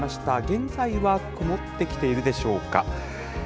現在は曇ってきているでしょうか。